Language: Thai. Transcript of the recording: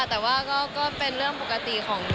แต่ว่าก็เป็นเรื่องปกติของ